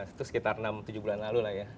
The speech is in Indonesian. itu sekitar enam tujuh bulan lalu lah ya